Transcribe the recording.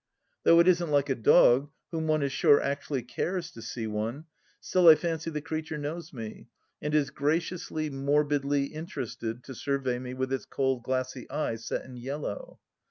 Though it isn't like a dog, whom one is sure actually cares to see one, still I fancy the creature knows me, and is gra ciously, morbidly, iaterested to survey me with its cold glassy eye set in yellow.